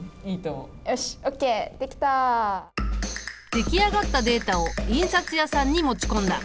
出来上がったデータを印刷屋さんに持ち込んだ。